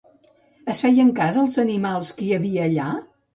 Es feien cas els animals que hi havia allà?